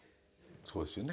そうですよね。